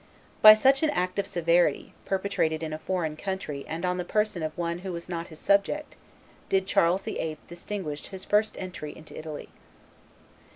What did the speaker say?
By such an act of severity, perpetrated in a foreign country and on the person of one who was not his own subject, did Charles VIII. distinguish his first entry into Italy.